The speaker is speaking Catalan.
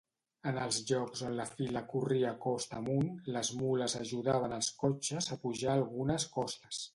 En els llocs on la fila corria costa amunt, les mules ajudaven els cotxes a pujar algunes costes.